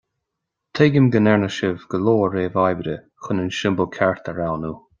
Tuigim go ndearna sibh go leor réamh-oibre chun an siombal ceart a roghnú.